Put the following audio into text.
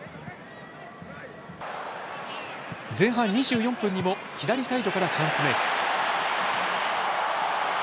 前半２４分にも左サイドからチャンスメイク。